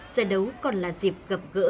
giải đấu còn là dịp gặp gỡ